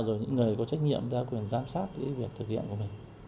rồi những người có trách nhiệm ra quyền giám sát cái việc thực hiện của mình